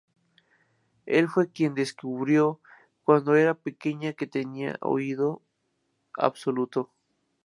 Él fue quien descubrió cuando era pequeña que tenía oído absoluto.